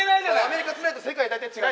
アメリカつらいと世界大体つらい。